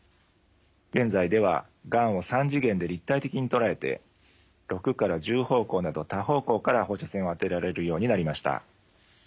現在ではがんを３次元で立体的に捉えて６から１０方向など多方向から放射線を当てられるようになりました。